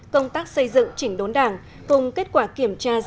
công tác xây dựng đội ngũ cán bộ kiểm tra